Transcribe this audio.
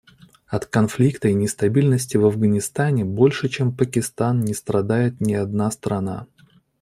От конфликта и нестабильности в Афганистане больше чем Пакистан не страдает ни одна страна.